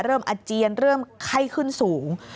อาเจียนเริ่มไข้ขึ้นสูง